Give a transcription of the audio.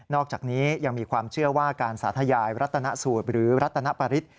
อกจากนี้ยังมีความเชื่อว่าการสาธยายรัตนสูตรหรือรัตนปริศ